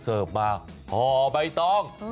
เสิร์ฟมาห่อใบตอง